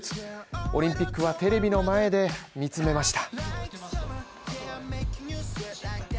オリンピックはテレビの前で見つめました。